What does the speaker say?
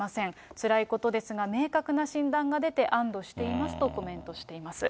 つらいことですが、明確な診断が出て安どしていますとコメントしています。